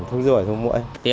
thuốc ruồi xuống mũi